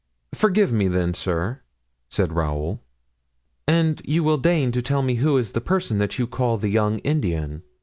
"You forgive me, then, sir," said Raoul, "and you will deign to tell me who is the person that you call the young Indian?"